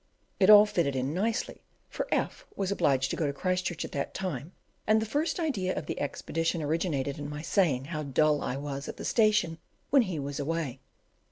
It all fitted in nicely, for F was obliged to go to Christchurch at that time, and the first idea of the expedition originated in my saying how dull I was at the station when he was away.